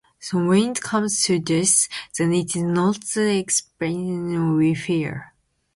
So when it comes to death, then it is not the exhalation we fear.